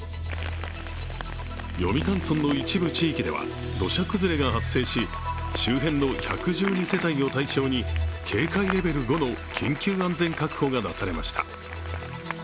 読谷村の一部地域では土砂崩れが発生し周辺の１１２世帯を対象に警戒レベル５の緊急安全確保が出されました。